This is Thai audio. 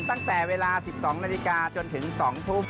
ตั้งแต่เวลา๑๒นาฬิกาจนถึง๒ทุ่ม